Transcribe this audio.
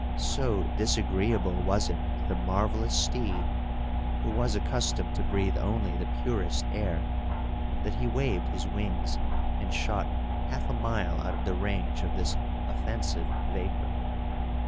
So disagreeable was it to the marvellous steed (who was accustomed to breathe only the purest air), that he waved his wings, and shot half a mile out of the range of this offensive vapour.